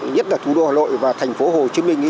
nhất là thủ đô hà nội và thành phố hồ chí minh